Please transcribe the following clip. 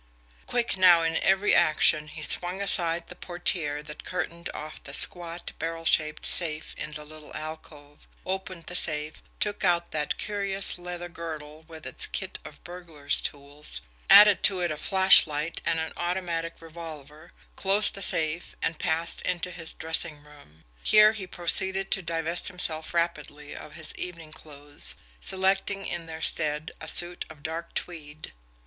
Quick now in every action, he swung aside the portiere that curtained off the squat, barrel shaped safe in the little alcove, opened the safe, took out that curious leather girdle with its kit of burglar's tools, added to it a flashlight and an automatic revolver, closed the safe and passed into his dressing room. Here, he proceeded to divest himself rapidly of his evening clothes, selecting in their stead a suit of dark tweed.